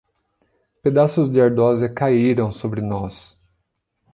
Pedaços de ardósia caíram sobre nós.